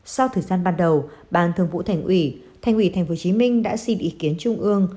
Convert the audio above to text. sau thời gian ban đầu ban thường vụ thành ủy thành ủy tp hcm đã xin ý kiến trung ương